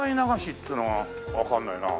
っつうのがわかんないな。